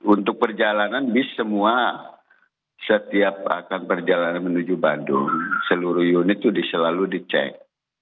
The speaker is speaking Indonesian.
untuk perjalanan bis semua setiap akan perjalanan menuju bandung seluruh unit itu selalu dicek